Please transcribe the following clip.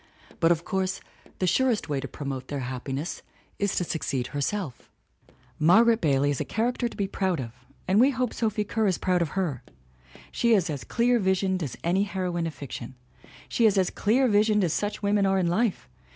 But of course the surest way to promote their happiness is to succeed herself. 236 THE WOMEN WHO MAKE OUR NOVELS Margaret Bailey is a character to be proud of and we hope Sophie Kerr is proud of her. She is as clear visioned as any heroine of fiction; she is as clear visioned as such women are in life!